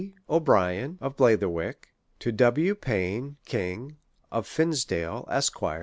O'Brien, of Blatherwick ; to W. Pain King, of Fineshade, Esqs.